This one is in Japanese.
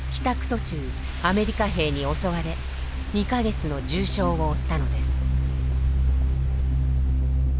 途中アメリカ兵に襲われ２か月の重傷を負ったのです。